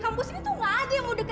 kamu lihat sendiri udah